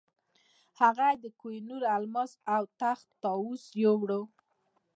هغه د کوه نور الماس او تخت طاووس یووړ.